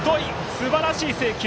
すばらしい制球。